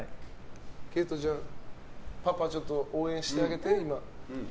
佳都ちゃんパパちょっと応援してあげて。